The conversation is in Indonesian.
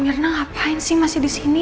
mirna ngapain sih masih disini